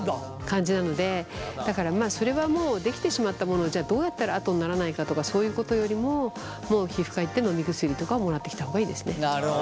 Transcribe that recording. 感じなのでだからそれはもうできてしまったものをじゃあどうやったら跡にならないかとかそういうことよりももう皮膚科行って飲み薬とかをもらってきた方がいいですね。